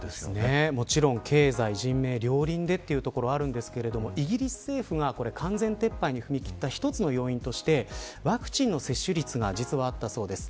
もちろん、経済、人命両輪でというところがあるんですがイギリス政府が完全撤廃に踏み切った１つの要因としてワクチンの接種率が実はあったそうです。